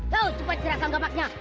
hei cepat serahkan kapaknya